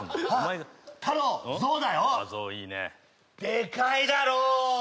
でかいだろう！